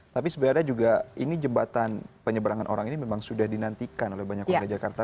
tapi sebenarnya juga ini jembatan penyeberangan orang ini memang sudah dinantikan oleh banyak warga jakarta